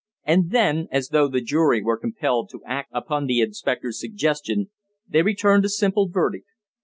And then, as though the jury were compelled to act upon the inspector's suggestion, they returned a simple verdict.